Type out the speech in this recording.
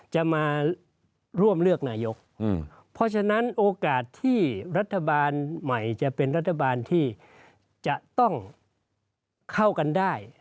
จะมาร่วมเลือกนายกเพราะฉะนั้นโอกาสที่รัฐบาลใหม่จะเป็นรัฐบาลที่จะต้องเข้ากันได้